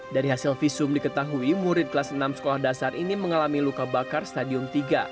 dari hasil visum diketahui murid kelas enam sekolah dasar ini mengalami luka bakar stadium tiga